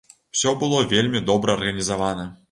Усё было вельмі добра арганізавана.